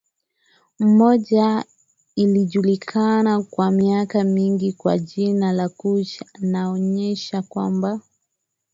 moja ilijulikana kwa miaka mingi kwa jina la Kushi naonyesha kwamba